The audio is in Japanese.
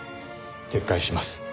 撤回します。